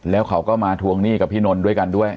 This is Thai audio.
แล้วเขาก็มาทวงหนี้กับพี่นนท์ด้วยกันด้วย